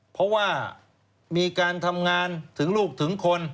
เพราะว่ามีการทำงานถึงลูกถึงคน